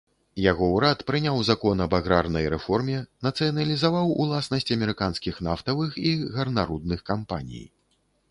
Яго ўрад прыняў закон аб аграрнай рэформе, нацыяналізаваў уласнасць амерыканскіх нафтавых і гарнарудных кампаній.